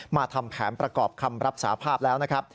ทำแผนประกอบคำรับสาภาพแล้วนะครับ